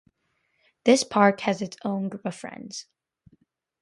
This park has its own group of friends.